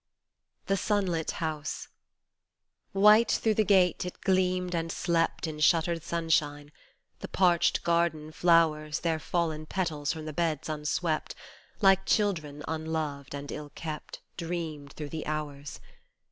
49 THE SUNLIT HOUSE WHITE through the gate it gleamed and slept In shuttered sunshine : the parched garden flowers Their fallen petals from the beds unswept, Like children unloved and ill kept Dreamed through the hours.